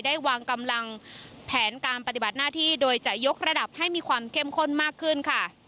ได้วางกำลังแผนการปฏิบัติหน้าที่โดยจะยกระดับให้มีความเข้มข้นมากขึ้นค่ะ